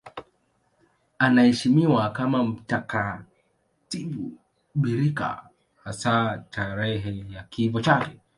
Anaheshimiwa kama mtakatifu bikira, hasa tarehe ya kifo chake.